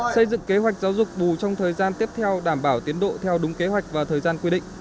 xây dựng kế hoạch giáo dục bù trong thời gian tiếp theo đảm bảo tiến độ theo đúng kế hoạch và thời gian quy định